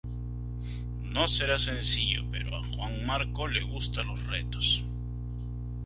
No será sencillo, pero a Juan Marco le gustan los retos.